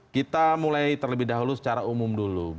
kita mulai terlebih dahulu secara umum dulu